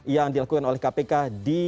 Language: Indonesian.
yang dilakukan oleh kpk di